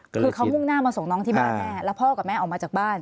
คือเขามุ่งหน้ามาส่งน้องที่บ้านแม่แล้วพ่อกับแม่ออกมาจากบ้าน